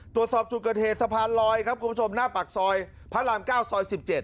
ตรวจสอบจุดเกิดเหตุสะพานลอยครับคุณผู้ชมหน้าปากซอยพระราม๙ซอย๑๗